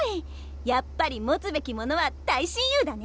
やっぱり持つべきものは大親友だね！